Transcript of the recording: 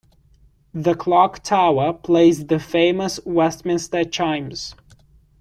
The clock tower plays the famous Westminster Chimes.